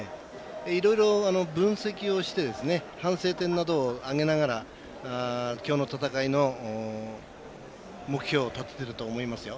いろいろ分析をして反省点などを挙げながらきょうの戦いの目標を立ててると思いますよ。